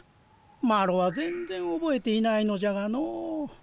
マロは全然おぼえていないのじゃがのう。